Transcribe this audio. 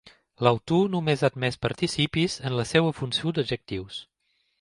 L'autor només ha admès participis en la seva funció d'adjectius.